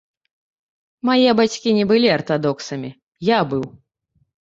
Мае бацькі не былі артадоксамі, я быў.